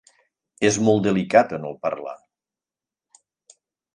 És molt delicat en el parlar.